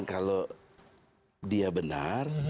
kalau dia benar